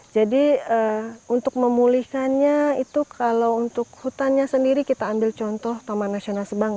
jadi untuk memulihkannya itu kalau untuk hutannya sendiri kita ambil contoh taman nasional sebangau sekarang